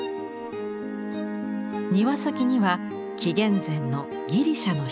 庭先には紀元前のギリシャの出土品。